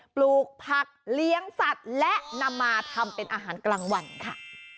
ปลูกผักเลี้ยงสัตว์และนำมาทำเป็นอาหารกลางวันค่ะ